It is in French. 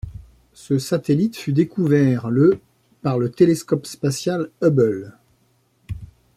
Ce satellite fut découvert le par le télescope spatial Hubble.